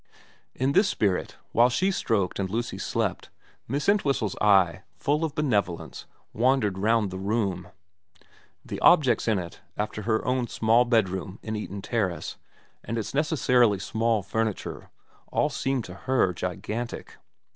In this spirit, while she stroked and Lucy slept, Miss Entwhistle's eye, full of benevolence, wandered round the room. The objects in it, after her own small bedroom in Eaton Terrace and its necessarily small furniture, all seemed to her gigantic.